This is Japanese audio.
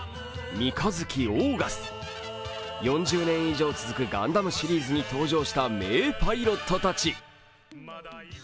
４０年以上続く「ガンダム」シリーズに登場した名パイロットたち。